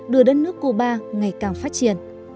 đưa đất nước cuba ngày càng phát triển